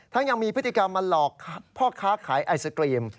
ยังมีพฤติกรรมมาหลอกพ่อค้าขายไอศกรีม